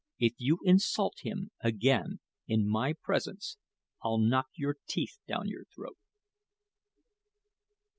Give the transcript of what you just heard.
If you insult him again in my presence I'll knock your teeth down your throat."